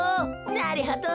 なるほど。